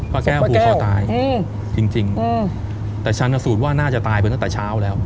พระแก้วผูกคอตายจริงแต่ชันสูตรว่าน่าจะตายไปตั้งแต่เช้าแล้ว